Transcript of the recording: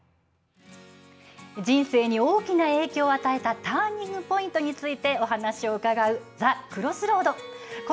人生に大きな影響を与えたターニングポイントについてお話を伺う、ＴｈｅＣｒｏｓｓｒｏａｄ。